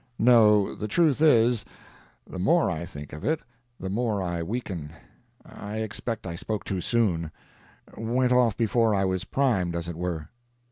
No—the truth is, the more I think of it, the more I weaken. I expect I spoke too soon—went off before I was primed, as it were.